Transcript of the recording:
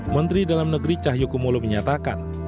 menteri dalam negeri cahyokumolo menyatakan